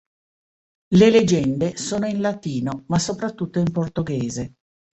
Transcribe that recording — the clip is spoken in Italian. Le legende sono in latino, ma soprattutto in portoghese.